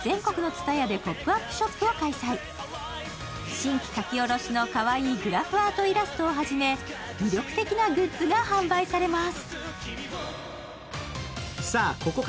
新規描き下ろしのかわいいグラフアートイラストをはじめ魅力的なグッズが販売されます。